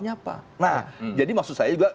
nya apa nah jadi maksud saya juga